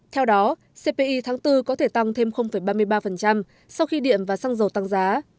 theo đó cpi tháng bốn có thể tăng thêm ba mươi ba sau khi điện và xăng dầu tăng giá